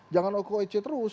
jangan tokoh ec terus